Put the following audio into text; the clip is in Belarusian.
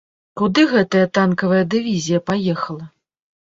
Куды гэтая танкавая дывізія паехала?